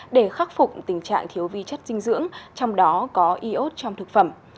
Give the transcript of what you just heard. để khắc phục tình trạng thiếu vi chất dinh dưỡng trong đó có iốt trong thực phẩm